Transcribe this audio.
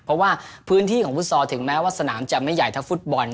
เพราะว่าพื้นที่ของฟุตซอลถึงแม้ว่าสนามจะไม่ใหญ่ถ้าฟุตบอล